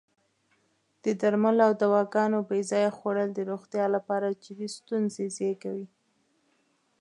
د درملو او دواګانو بې ځایه خوړل د روغتیا لپاره جدی ستونزې زېږوی.